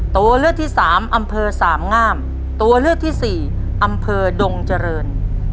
ตัวเลือกที่สามอำเภอสามงามตัวเลือกที่สี่อำเภอดงเจริญ